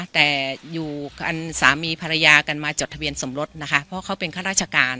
แต่อยู่กันสามีภรรยากันมาจดทะเบียนสมรสนะคะเพราะเขาเป็นข้าราชการ